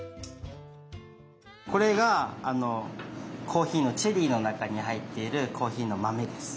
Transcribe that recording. これがコーヒーのチェリーの中に入っているコーヒーの豆です。